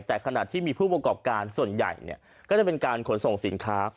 แต่ขณะที่มีผู้ประกอบการส่วนใหญ่ก็จะเป็นการขนส่งสินค้า